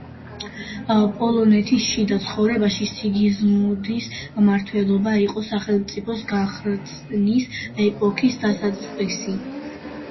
პოლონეთის შიდა ცხოვრებაში სიგიზმუნდის მმართველობა იყო სახელმწიფოს გახრწნის ეპოქის დასაწყისი.